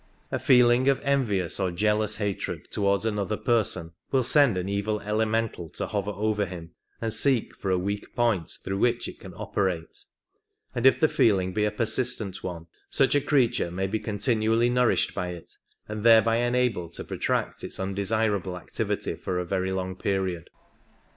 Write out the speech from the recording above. A feeling of envious or jealous hatred towards another person will send an evil elemental to hover over him and seek for a weak point through which it can operate ; and if the feeling be a persistent one, such a creature may be continually nourished by it and thereby enabled to protract its undesirable activity for a very long period.